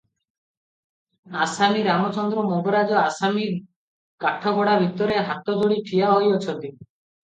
ଆସାମୀ ରାମଚନ୍ଦ୍ର ମଙ୍ଗରାଜ ଆସାମୀ କାଠଗଡ଼ା ଭିତରେ ହାତ ଯୋଡ଼ି ଠିଆ ହୋଇଅଛନ୍ତି ।